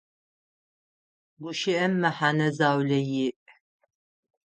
Гущыӏэм мэхьэнэ заулэ иӏ.